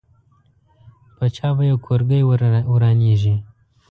په چا به یو کورګۍ ورانېږي.